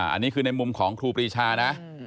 อันนี้คือในมุมของครูปรีชานะ